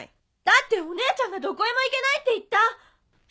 だってお姉ちゃんがどこへも行けないって言った！